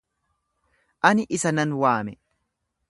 Ani isa nan waame.